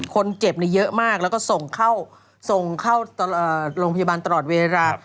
คนเจ็บเยอะมากแล้วก็ส่งเข้าโรงพยาบาลตลอดเวลา